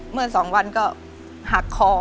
เมื่อ๒วันก็หักคอ